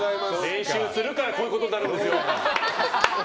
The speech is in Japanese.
練習するからこういうことになるんですよ。